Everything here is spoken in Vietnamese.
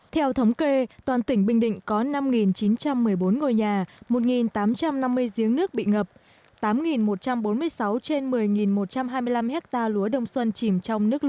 theo thống kê toàn tỉnh bình định có năm chín trăm một mươi bốn ngôi nhà một tám trăm năm mươi giếng nước bị ngập tám một trăm bốn mươi sáu trên một mươi một trăm hai mươi năm hectare lúa đông xuân chìm trong nước lũ